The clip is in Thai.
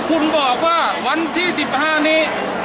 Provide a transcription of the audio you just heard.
โมงบทและอันท่านที่๑๒